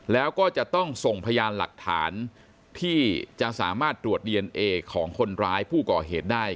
แล้วก็จะต้องส่งพยานหลักฐานที่จะสามารถตรวจดีเอนเอของคนร้ายผู้ก่อเหตุได้